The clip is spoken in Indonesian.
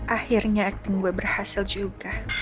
akhirnya acting gue berhasil juga